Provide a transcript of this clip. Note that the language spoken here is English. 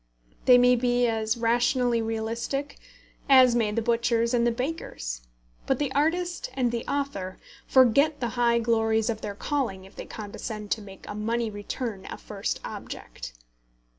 They may be as rationally realistic, as may the butchers and the bakers; but the artist and the author forget the high glories of their calling if they condescend to make a money return a first object.